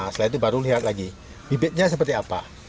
setelah itu baru lihat lagi bibitnya seperti apa